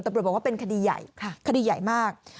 ตำรวจบอกว่าเป็นคดีใหญ่คดีใหญ่มาก